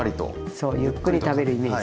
そうゆっくり食べるイメージ。